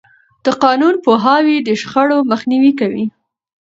د قانون پوهاوی د شخړو مخنیوی کوي.